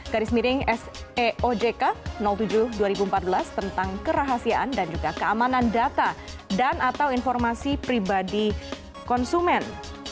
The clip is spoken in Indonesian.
garis miring seojk tujuh dua ribu empat belas tentang kerahasiaan dan juga keamanan data dan atau informasi pribadi konsumen